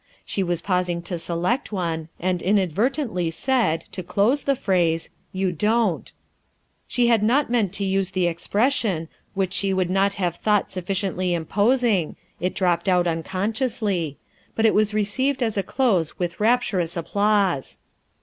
She was pausing to select one, and inadvertently said, to close the phrase, "you don't." She had not meant to use the expression, which she would not have thought sufficiently imposing, it dropped out unconsciously, but it was received as a close with rapturous applause.